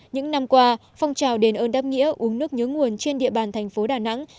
những năm qua phong trào đền ơn đáp nghĩa uống nước nhớ nguồn trên địa bàn thành phố đà nẵng